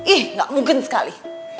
ih gak mungkin sekali